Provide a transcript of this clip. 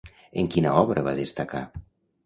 En quina obra va destacar?